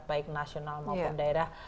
baik nasional maupun daerah